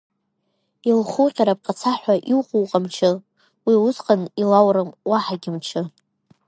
Илхуҟьар аԥҟацаҳәа иуку уҟамчы, уи усҟан илаурым уаҳагьы мчы.